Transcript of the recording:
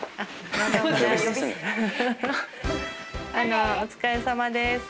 あのお疲れさまです。